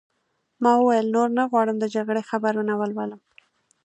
ما وویل: نور نه غواړم د جګړې خبرونه ولولم.